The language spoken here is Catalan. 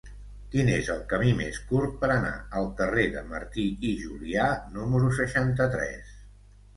Quin és el camí més curt per anar al carrer de Martí i Julià número seixanta-tres?